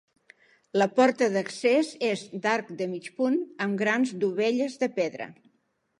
La porta d'accés és d'arc de mig punt amb grans dovelles de pedra.